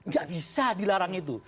gak bisa dilarang itu